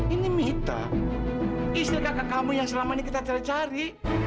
ini mita istri kakak kamu yang selama ini kita cari cari